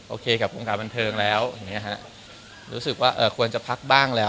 โอเคกับวงกาบันเทิงแล้วรู้สึกว่าเอ่อควรจะพักบ้านแล้ว